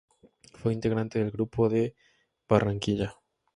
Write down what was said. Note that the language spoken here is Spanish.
Fue integrante del Grupo de Barranquilla.